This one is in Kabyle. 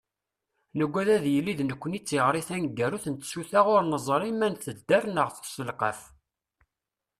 Nugad ad yili d nekkni i d tiɣri taneggarut n tsuta ur neẓri ma tedder neɣ tesselqaf.